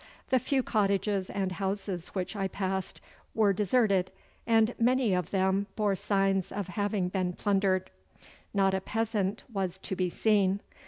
The few cottages and houses which I passed wore deserted, and many of them bore signs of having been plundered. Not a peasant was to be seen.